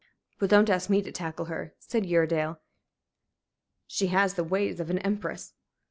"Well, don't ask me to tackle her," said Uredale. "She has the ways of an empress."